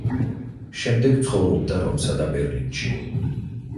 შემდეგ ცხოვრობდა რომსა და ბერლინში.